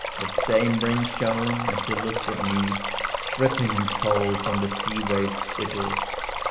That same ring shone, as he lifted me Dripping and cold from the sea waves bitter.